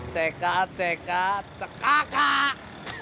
cekat cekat cekakak